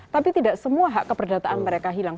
tapi tidak semua hak keperdataan mereka hilang